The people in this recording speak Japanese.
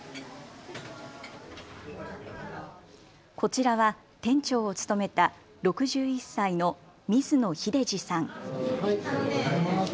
こちらは店長を務めた６１歳の水野秀司さん。